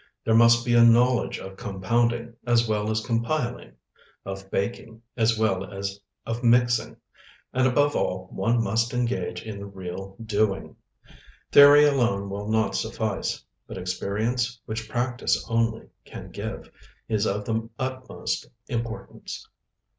There must be a knowledge of compounding, as well as of compiling; of baking, as well as of mixing; and above all, one must engage in the real doing. Theory alone will not suffice; but experience, which practice only can give, is of the utmost importance.